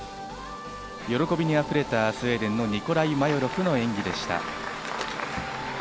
喜びに溢れたスウェーデンのニコライ・マヨロフの演技でした。